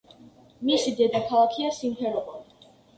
მისი დედაქალაქია სიმფეროპოლი.